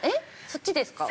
そっちですか。